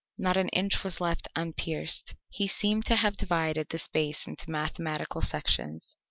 Not an inch was left unpierced. He seemed to have divided the space into mathematical sections.